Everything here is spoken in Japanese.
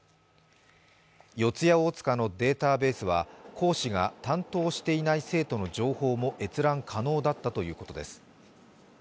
四谷大塚のデータベースは、講師が担当していない生徒の情報も閲覧可能だったということです。